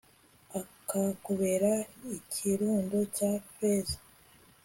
akakubera ikirundo cya feza